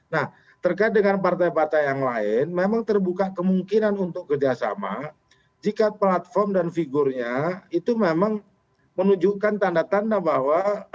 nah terkait dengan partai partai yang lain memang terbuka kemungkinan untuk kerjasama jika platform dan figurnya itu memang menunjukkan tanda tanda bahwa